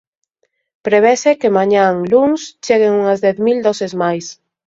Prevese que mañá, luns, cheguen unhas dez mil doses máis.